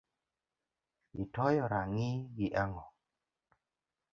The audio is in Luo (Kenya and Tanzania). Itoyo rang’i gi ang’o?